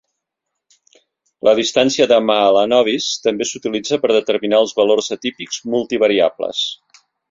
La distància de Mahalanobis també s'utilitza per determinar els valors atípics multivariables.